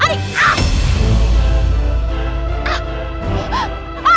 adi jangan pergi